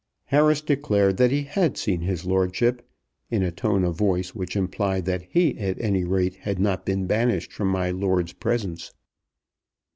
Harris declared that he had seen his lordship, in a tone of voice which implied that he at any rate had not been banished from my lord's presence.